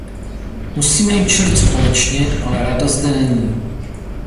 Musíme jim čelit společně, ale Rada zde není.